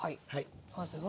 まずは。